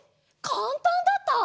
かんたんだった？